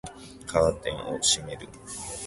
カーテンを閉める